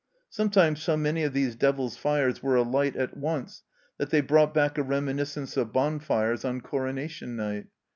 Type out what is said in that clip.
Sometimes so many of these devil's fires were alight at once that they brought back a reminis cence of bonfires on Coronation night.